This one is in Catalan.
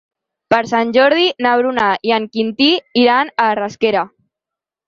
Per Sant Jordi na Bruna i en Quintí iran a Rasquera.